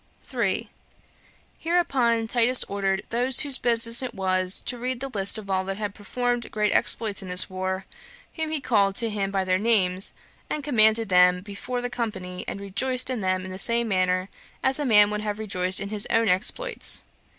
3. Hereupon Titus ordered those whose business it was to read the list of all that had performed great exploits in this war, whom he called to him by their names, and commended them before the company, and rejoiced in them in the same manner as a man would have rejoiced in his own exploits.